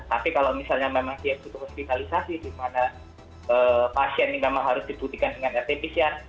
tapi kalau misalnya memang dia butuh hospitalisasi di mana pasien ini memang harus dibuktikan dengan efisien